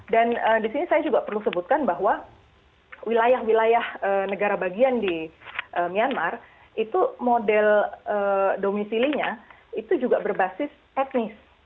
dan di sini saya juga perlu sebutkan bahwa wilayah wilayah negara bagian di myanmar itu model domisilinya itu juga berbasis etnis